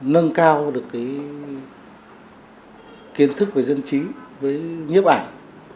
nâng cao được cái kiến thức về dân trí với nghiếp ảnh